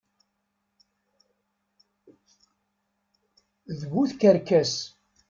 D bu tkerkas.